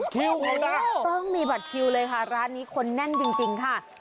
ต้องมีบัตรคิวเลยค่ะร้านนี้คนนั่นจริงค่ะ